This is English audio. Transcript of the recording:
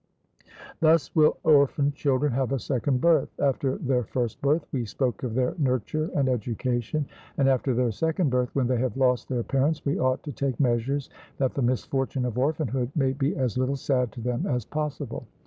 Thus will orphan children have a second birth. After their first birth we spoke of their nurture and education, and after their second birth, when they have lost their parents, we ought to take measures that the misfortune of orphanhood may be as little sad to them as possible.